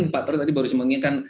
pak troy tadi baru semingatkan